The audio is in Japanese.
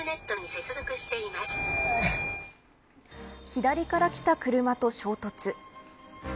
左からきた車と衝突。